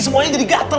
semuanya jadi gatel